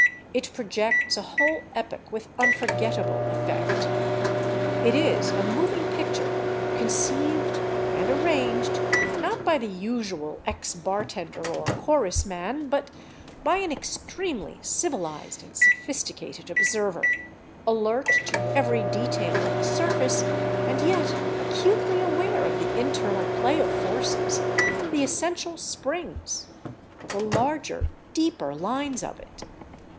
It projects a whole epoch with unforgettable effect. It is a moving picture conceived and arranged, not by the usual ex bartender or chorus man, but by an extremely civilized and sophisticated observer, alert to every detail of the surface and yet acutely aware of the internal play of forces, the essential springs, the larger, deeper lines of it.